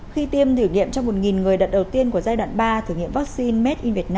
khi tiêm thử nghiệm trong một người đợt đầu tiên của giai đoạn ba thử nghiệm vaccine